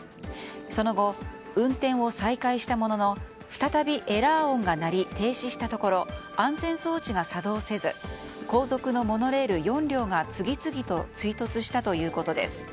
その後、運転を再開したものの再びエラー音が鳴り停止したところ安全装置が作動せず後続のモノレール４両が次々と追突したということです。